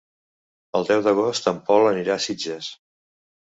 El deu d'agost en Pol anirà a Sitges.